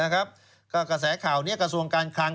ก็กระแสข่าวนี้กระทรวงการคลัง